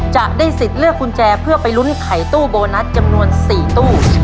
จะได้สิทธิ์เลือกกุญแจเพื่อไปลุ้นไขตู้โบนัสจำนวน๔ตู้